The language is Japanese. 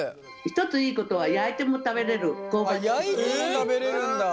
一ついいことは焼いても食べれるんだ。